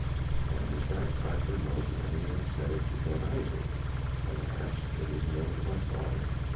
"And is that cypher known to anyone save to Ben Isaje?" "Alas! it is known to my father.